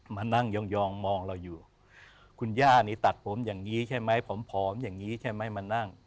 มานั่งยองมองเราอยู่คุณย่านี่ตัดผมอย่างนี้ใช่ไหมผอมอย่างนี้ใช่ไหมมานั่ง